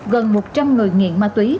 gần một trăm linh người nghiện ma túy